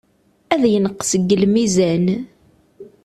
Ad yenqes deg lmizan.